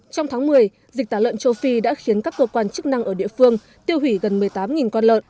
trong tháng một mươi dịch tả lợn châu phi đã khiến các cơ quan chức năng ở địa phương tiêu hủy gần một mươi tám con lợn